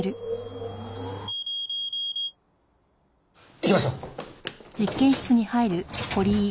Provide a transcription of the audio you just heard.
行きましょう。